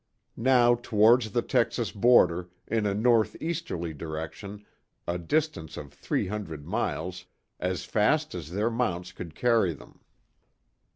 Now towards the Texas border, in a north easterly direction, a distance of three hundred miles, as fast as their mounts could carry them.